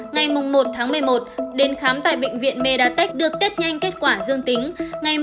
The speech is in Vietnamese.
ngày một tháng một mươi một đến khám tại bệnh viện medatech được test nhanh kết quả dương tính